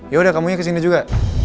yaudah kamu nya kesini juga